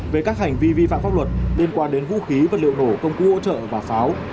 về các hành vi vi phạm pháp luật liên quan đến vũ khí vật liệu nổ công cụ hỗ trợ và pháo